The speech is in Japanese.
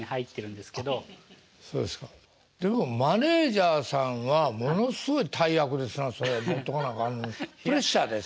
でもマネージャーさんはものすごい大役ですなそれ持っとかなあかんプレッシャーでっせ。